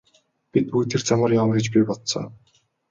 Бид бүгд тэр замаар явна гэж би бодсон.